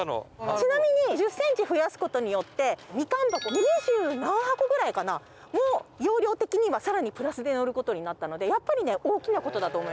ちなみに１０センチ増やすことによってみかん箱二十何箱ぐらいかなの容量的には更にプラスで載ることになったのでやっぱりね大きなことだと思いますよ。